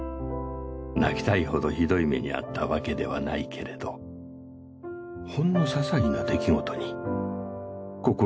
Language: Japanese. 泣きたいほどひどい目に遭ったわけではないけれどほんのささいな出来事に心が傷つくことがある。